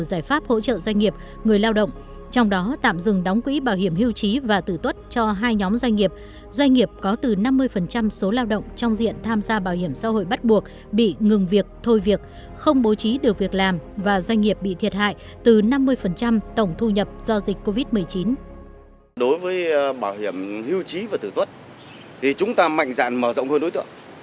doanh nghiệp có từ năm mươi số lao động trong diện tham gia bảo hiểm xã hội bắt buộc bị ngừng việc thôi việc không bố trí được việc làm và doanh nghiệp bị thiệt hại từ năm mươi tổng thu nhập do dịch covid một mươi chín